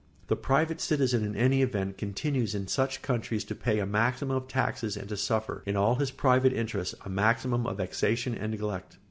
The private citizen in any event continues in such countries to pay a maximum of taxes and to suffer, in all his private interests, a maximum of vexation and neglect.